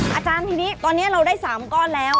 อาจารย์ทีนี้ตอนนี้เราได้๓ก้อนแล้ว